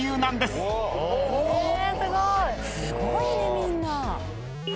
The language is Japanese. すごいねみんな。